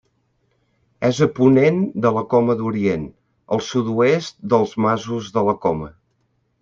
És a ponent de la Coma d'Orient, al sud-oest dels Masos de la Coma.